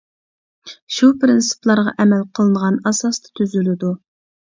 شۇ پىرىنسىپلارغا ئەمەل قىلىنغان ئاساستا تۈزۈلىدۇ.